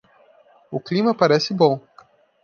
O clima parece bom.